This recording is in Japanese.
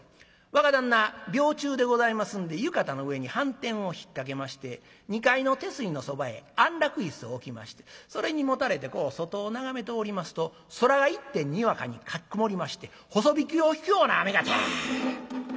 若旦那病中でございますんで浴衣の上にはんてんをひっかけまして２階の手すりのそばへ安楽椅子を置きましてそれにもたれてこう外を眺めておりますと空が一天にわかにかき曇りまして細引きを引くような雨がジャー。